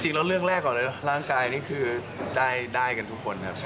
เรื่องแรกก่อนเลยร่างกายนี่คือได้กันทุกคนครับ